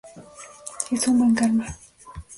Es un buen karma.